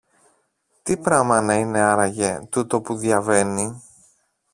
Τι πράμα να είναι άραγε τούτο που διαβαίνει;